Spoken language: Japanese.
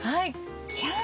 じゃーん。